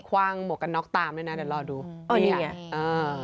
คว่างหมวกกันน็อกตามด้วยนะแต่รอดูอ๋อนี่ไงเออ